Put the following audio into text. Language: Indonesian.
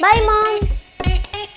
sampai jumpa lagi